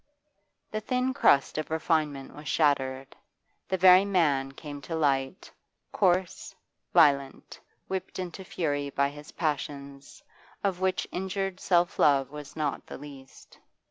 The thin crust of refinement was shattered; the very man came to light, coarse, violent, whipped into fury by his passions, of which injured self love was not the least.